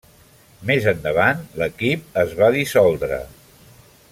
Més endavant, l'equip es va dissoldre.